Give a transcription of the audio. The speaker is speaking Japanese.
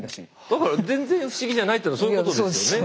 だから全然不思議じゃないっていうのはそういうことですよね。